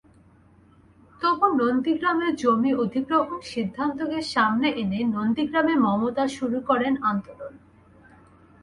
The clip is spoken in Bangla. তবু নন্দীগ্রামে জমি অধিগ্রহণ সিদ্ধান্তকে সামনে এনে নন্দীগ্রামে মমতা শুরু করেন আন্দোলন।